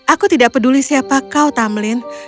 aku tidak peduli siapa kau tamlin